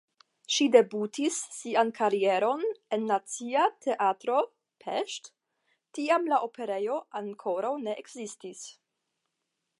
Ŝi debutis sian karieron en Nacia Teatro (Pest) (tiam la Operejo ankoraŭ ne ekzistis!).